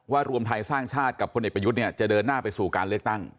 ว่ารวมไทยสร้างชาติกับพ่อเน็ตประยุทธ์จะเดินหน้าไปสู่การเลือกตั้ง